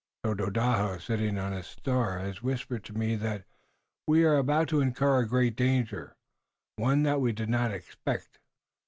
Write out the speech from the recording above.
Tododaho, sitting on his star, has whispered to me that we are about to incur a great danger, one that we did not expect."